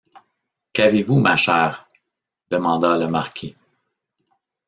Qu’avez-vous, ma chère? demanda le marquis.